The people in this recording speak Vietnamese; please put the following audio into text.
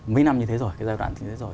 mấy năm như thế rồi cái giai đoạn thế rồi